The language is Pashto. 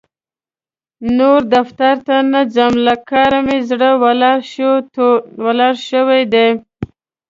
نور دفتر ته نه ځم؛ له کار مې زړه ولاړ شوی دی.